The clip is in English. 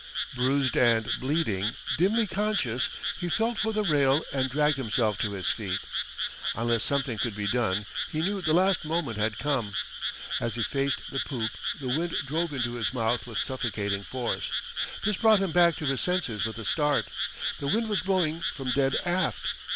Bruised and bleeding, dimly conscious, he felt for the rail and dragged himself to his feet. Unless something could be done, he knew the last moment had come. As he faced the poop, the wind drove into his mouth with suffocating force. This brought him back to his senses with a start. The wind was blowing from dead aft!